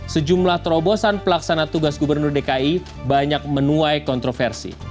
sejumlah terobosan pelaksana tugas gubernur dki banyak menuai kontroversi